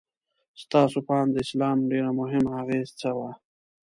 ستاسو په اند د اسلام ډېره مهمه اغیزه څه وه؟